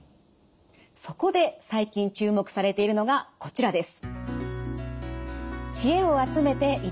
そこで最近注目されているのがこちらです。